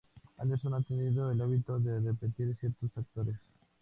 Anderson ha tenido el hábito de repetir ciertos actores.